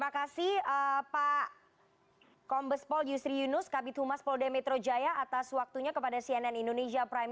terima kasih pak kombespol yusri yunus kabit humas polda metro jaya atas waktunya kepada cnn indonesia prime